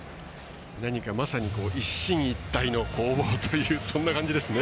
まさに一進一退の攻防という感じですね。